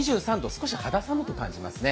少し肌寒く感じますね。